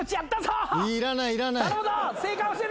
頼むぞ！